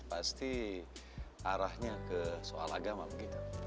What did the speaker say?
pasti arahnya ke soal agama begitu